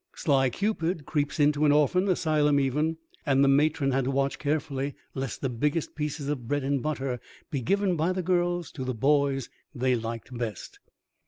Sly Cupid creeps into an orphan asylum even; and the matron had to watch carefully lest the biggest pieces of bread and butter be given by the girls to the boys they liked best.